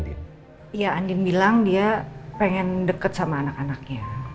iya andin bilang dia pengen deket sama anak anaknya